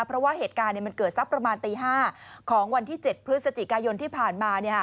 เพราะว่าเหตุการณ์มันเกิดสักประมาณตี๕ของวันที่๗พฤศจิกายนที่ผ่านมา